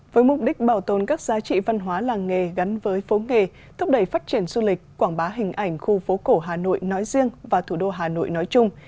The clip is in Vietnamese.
với mục đích bảo tồn các giá trị văn hóa làng nghề gắn với phố nghề thúc đẩy phát triển du lịch quảng bá hình ảnh khu phố cổ hà nội nói riêng và thủ đô hà nội nói chung